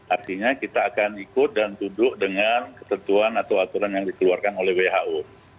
artinya kita akan ikut dan duduk dengan ketentuan atau aturan yang dikeluarkan oleh who